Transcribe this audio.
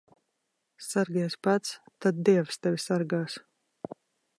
Sargies pats, tad dievs tevi sargās.